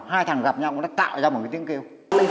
hai thằng gặp nhau nó đã tạo ra một cái tiếng kêu